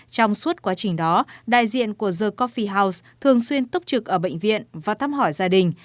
trong suốt quá trình đó đại diện của the cophie house thường xuyên túc trực ở bệnh viện và thăm hỏi gia đình